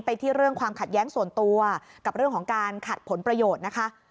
ที่เรื่องความขัดแย้งส่วนตัวกับเรื่องของการขัดผลประโยชน์นะคะ